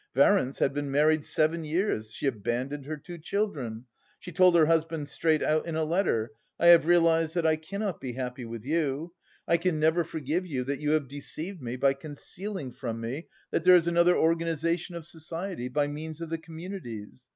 Varents had been married seven years, she abandoned her two children, she told her husband straight out in a letter: 'I have realised that I cannot be happy with you. I can never forgive you that you have deceived me by concealing from me that there is another organisation of society by means of the communities.